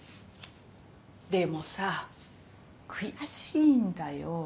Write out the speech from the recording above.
でもさ悔しいんだよ。